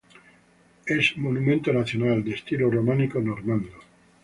Es monumento nacional, de estilo románico normando.